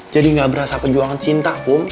jadi gak berasa penjuangan cinta kum